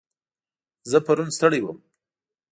زه پرون ستړی وم.